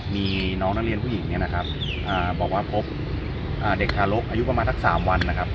มีน้องนักเรียนผู้หญิงบอกว่าพบเด็กทารกอายุประมาณทัก๓วัน